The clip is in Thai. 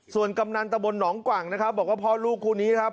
ส่วนกำนันตะบนหนองกว่างนะครับบอกว่าพ่อลูกคู่นี้ครับ